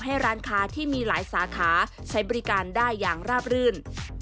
ให้ร้านค้าที่มีหลายสาขาใช้บริการได้อย่างราบรื่น